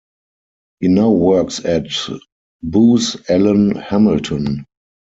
He now works at Booz Allen Hamilton.